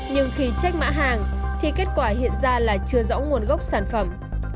nhưng khi trách mã hàng thì kết quả hiện ra là chưa rõ nguồn gốc sản phẩm